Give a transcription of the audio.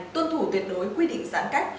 tuân thủ việt đối quy định giãn cách